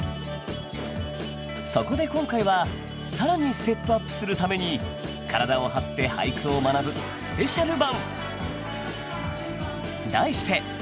そこで今回は更にステップアップするために体を張って俳句を学ぶスペシャル版。